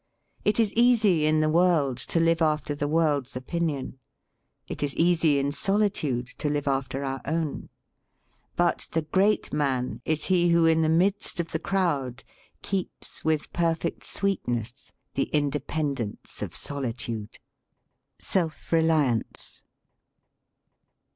It is easy in the world to live after the world's opinion; it is easy in solitude to live after our own ; but the great man is he who in the midst of the crowd keeps with perfect sweetness the independence of solitude." Self Reliance.